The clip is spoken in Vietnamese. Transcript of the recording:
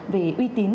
về uy tín